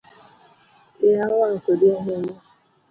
Iya owang kodi ahinya